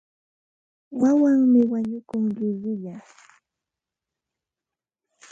Wawanmi wañukun llullulla.